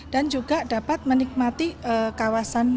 dan juga dapat menikmati kawasan